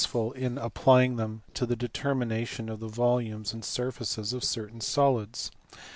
255 ful in applying them to the determination of the volumes and surfaces of certain solids.